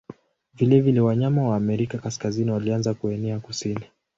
Vilevile wanyama wa Amerika Kaskazini walianza kuenea kusini.